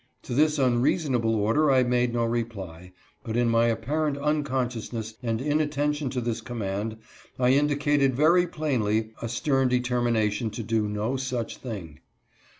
To this unreasonable order I made no reply, but in my apparent unconsciousness and inattention to this command I indicated very plainly a stern determina tion to do no such thing.